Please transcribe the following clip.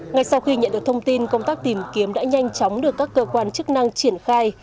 ngay sau khi nhận được thông tin công tác tìm kiếm đã nhanh chóng được các cơ quan chức năng triển khai